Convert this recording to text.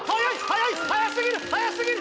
速すぎる！